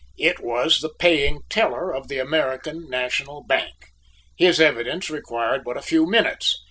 It was the paying teller of the American National Bank. His evidence required but a few minutes.